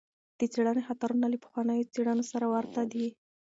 د څېړنې خطرونه له پخوانیو څېړنو سره ورته دي.